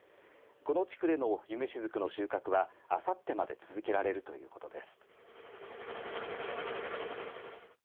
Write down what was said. この地区での夢しずくの収穫はあさってまで続けられるということです。